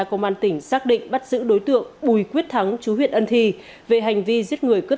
công an tỉnh xác định bắt giữ đối tượng bùi quyết thắng chú huyện ân thi về hành vi giết người cướp